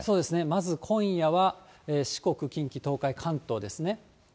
まず今夜は四国、近畿、東海、関東ですね。